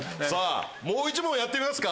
もう１問やってみますか。